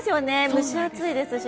蒸し暑いですし。